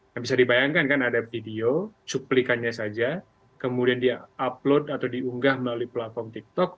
nah bisa dibayangkan kan ada video cuplikannya saja kemudian dia upload atau diunggah melalui platform tiktok